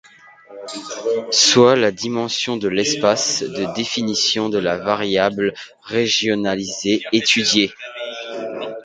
Soit la dimension de l'espace de définition de la variable régionalisée étudiée.